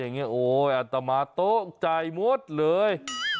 อัตงาโต๊ะใจหมดเลย